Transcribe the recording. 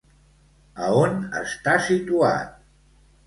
A on està situat?